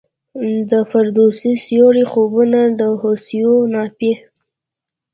د فردوسي سیورو خوبونه د هوسیو نافي